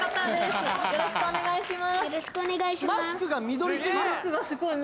よろしくお願いします